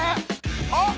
あっ！